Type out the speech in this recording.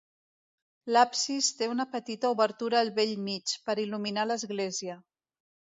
L'absis té una petita obertura al bell mig, per il·luminar l'església.